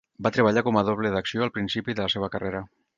Va treballar com a doble d'acció al principi de la seva carrera.